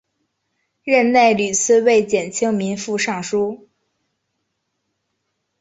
任内屡次为减轻民负上疏。